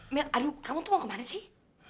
mil aduh kamu tuh mau kemana sih